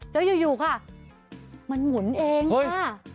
เดียวยูค่ะมันหมุนเองค่ะ